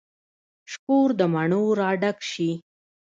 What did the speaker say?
شکور د مڼو را ډک شي